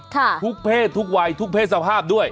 ทุกเพศทุกวัยทุกเพศสภาพด้วย